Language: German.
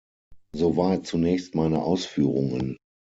Soweit zunächst meine Ausführungen.